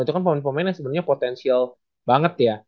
itu kan pemain pemain yang sebenarnya potensial banget ya